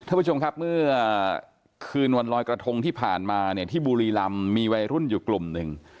ท่านผู้ชมครับเมื่อคืนวันลอยกระทงที่ผ่านมาเนี่ยที่บุรีรำมีวัยรุ่นอยู่กลุ่มหนึ่ง